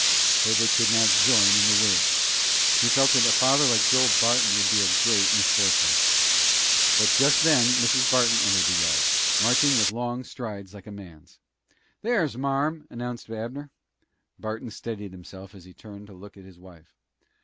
Herbert could not join in the wish. He felt that a father like Joel Barton would be a great misfortune. But just then Mrs. Barton entered the yard, marching with long strides like a man's. "Here's marm!" announced Abner. Barton steadied himself as he turned to look at his wife.